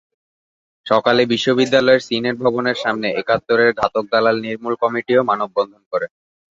সকালে বিশ্ববিদ্যালয়ের সিনেট ভবনের সামনে একাত্তরের ঘাতক দালাল নির্মূল কমিটিও মানববন্ধন করে।